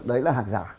đấy là hàng giả